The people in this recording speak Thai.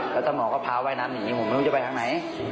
แล้วตำรวจก็พาว่ายน้ำหนีผมไม่รู้จะไปทางไหน